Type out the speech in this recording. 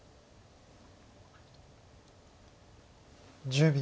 １０秒。